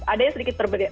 ada sedikit perbedaan